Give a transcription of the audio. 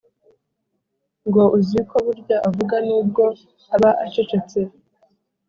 ngo uziko burya avuga nubwo aba acecetse